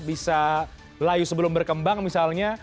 bisa layu sebelum berkembang misalnya